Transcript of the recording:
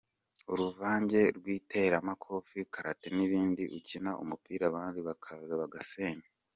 Uruvange rw’iteramakofi, karate n’ibindi, ukina umupira abandi bakaza bagasenya.